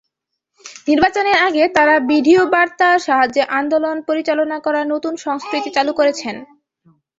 নির্বাচনের আগে তাঁরা ভিডিওবার্তার সাহায্যে আন্দোলন পরিচালনা করার নতুন সংস্কৃতি চালু করেছেন।